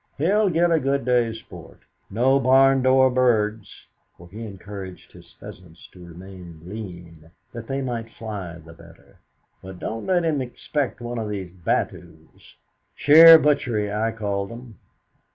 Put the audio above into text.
He'll get a good day's sport no barndoor birds" (for he encouraged his pheasants to remain lean, that they might fly the better), "but don't let him expect one of these battues sheer butchery, I call them."